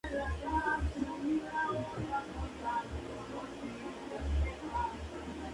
Muchas de sus obras han sido llevadas al cine.